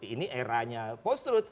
ini eranya post truth